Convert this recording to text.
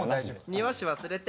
庭師忘れて。